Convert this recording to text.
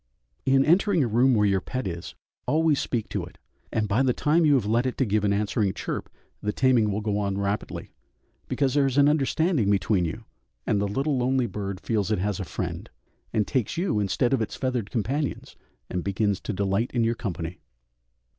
In entering a room where your pet is, always speak to it, and by the time you have led it to give an answering chirp, the taming will go on rapidly, because there is an understanding between you, and the little lonely bird feels it has a friend, and takes you instead of its feathered companions, and begins to delight in your company.